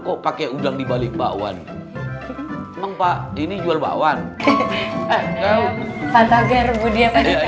kok pakai udang dibalik bakwan mengpak ini jual bakwan eh kau pantangnya rebu dia tadi